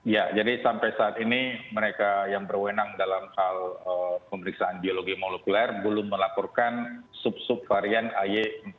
ya jadi sampai saat ini mereka yang berwenang dalam hal pemeriksaan biologi molekuler belum melaporkan sub sub varian ay empat